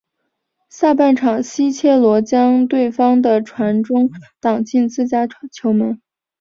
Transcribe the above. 下半场西切罗将对方的传中挡进自家球门。